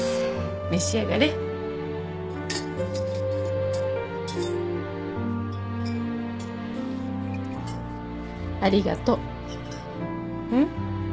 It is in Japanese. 召し上がれありがとうん？